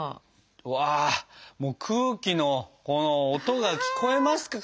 うわもう空気のこの音が聞こえますか？